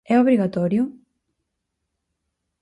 É obrigatorio?